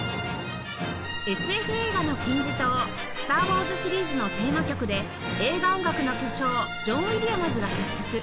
ＳＦ 映画の金字塔『スター・ウォーズ』シリーズのテーマ曲で映画音楽の巨匠ジョン・ウィリアムズが作曲